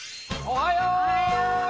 おはよう！